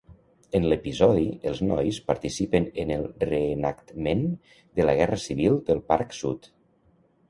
En l'episodi, els nois participen en el reenactment de la guerra civil del parc sud.